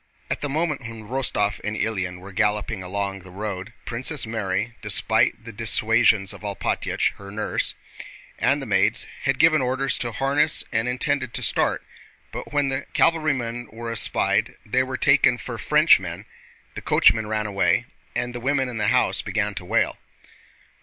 At the moment when Rostóv and Ilyín were galloping along the road, Princess Mary, despite the dissuasions of Alpátych, her nurse, and the maids, had given orders to harness and intended to start, but when the cavalrymen were espied they were taken for Frenchmen, the coachman ran away, and the women in the house began to wail.